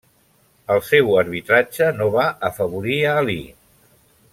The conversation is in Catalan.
El seu arbitratge no va afavorir a Alí.